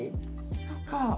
そっか。